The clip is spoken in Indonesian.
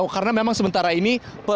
karena memang sementara ini